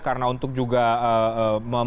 karena untuk juga memenuhi cara cara yang diperlukan